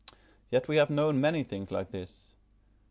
Yet we have known many things like this.